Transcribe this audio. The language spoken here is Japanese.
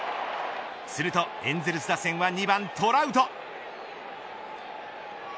するとエンゼルス打線は２番トラウト。